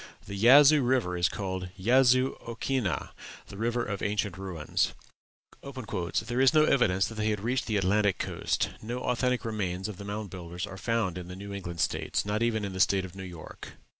The Yazoo River is called Yazoo okhinnah the River of Ancient Ruins. "There is no evidence that they had reached the Atlantic coast; no authentic remains of the Mound Builders are found in the New England States, nor even in the State of New York."